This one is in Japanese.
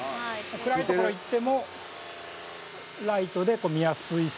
暗い所、行ってもライトで見やすいし。